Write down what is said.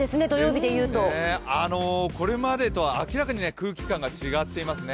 これまでとは明らかに空気感が違ってますね。